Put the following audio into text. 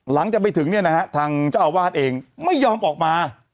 หลังจากไปถึงเนี่ยนะฮะทางเจ้าอาวาสเองไม่ยอมออกมา